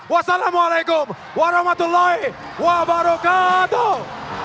wassalamualaikum warahmatullahi wabarakatuh